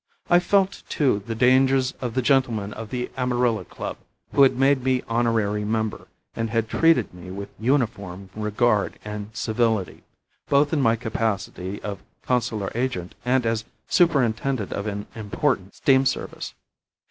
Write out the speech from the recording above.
I felt, too, the dangers of the gentlemen of the Amarilla Club, who had made me honorary member, and had treated me with uniform regard and civility, both in my capacity of Consular Agent and as Superintendent of an important Steam Service.